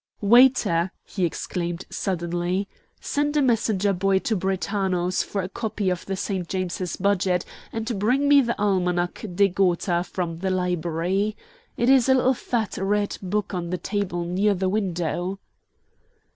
"Waiter," he exclaimed, suddenly, "send a messenger boy to Brentano's for a copy of the St. James Budget, and bring me the Almanach de Gotha from the library. It is a little fat red book on the table near the window."